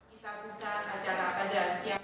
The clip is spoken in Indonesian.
kita buka acara pada siang